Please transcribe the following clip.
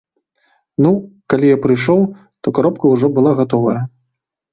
Ну, калі я прыйшоў, то каробка ўжо была гатовая.